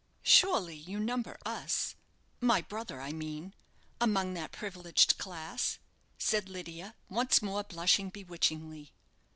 "Surely you number us my brother, I mean among that privileged class," said Lydia, once more blushing bewitchingly.